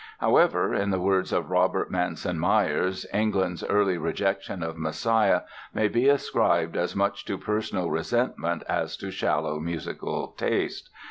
However, in the words of Robert Manson Myers, "England's early rejection of 'Messiah' may be ascribed as much to personal resentment as to shallow musical taste....